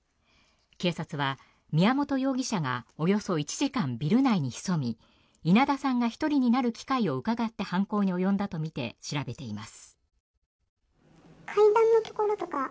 警察は宮本容疑者がおよそ１時間ビル内に潜み稲田さんが１人になる機会をうかがって犯行に及んだとみて調べています。